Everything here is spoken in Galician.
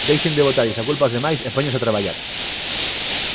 ¡Deixen de botarlles a culpa aos demais e póñanse a traballar!